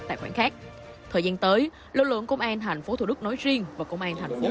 tài khoản khác thời gian tới lực lượng công an thành phố thủ đức nói riêng và công an thành phố